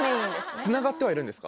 つながってはいるんですか？